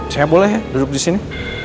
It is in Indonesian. saya boleh ya duduk disini